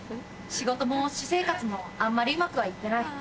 仕事も私生活もあんまりうまくは行ってない。